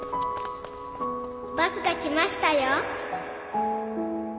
バスが来ましたよ。